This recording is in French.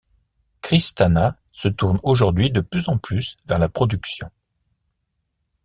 Kristanna se tourne aujourd'hui de plus en plus vers la production.